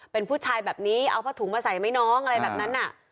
เป็นผู้ชายแบบนี้เอาผ้าถุงมาใส่ไหมน้องอะไรแบบนั้น